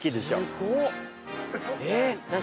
すごっ！